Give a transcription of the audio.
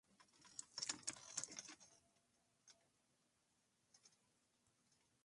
El mecanismo de acción de este efecto adverso no está totalmente aclarado.